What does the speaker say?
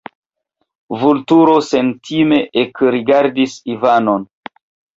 Vulturo sentime ekrigardis Ivanon.